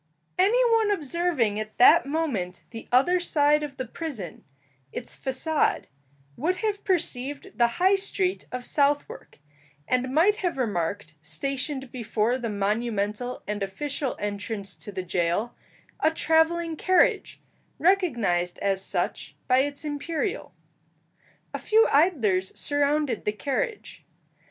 Any one observing at that moment the other side of the prison its façade would have perceived the high street of Southwark, and might have remarked, stationed before the monumental and official entrance to the jail, a travelling carriage, recognized as such by its imperial. A few idlers surrounded the carriage.